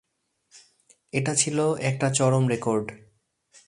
এটা ছিল একটা চরম রেকর্ড।